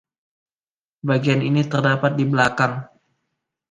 Bagian ini terdapat di belakang.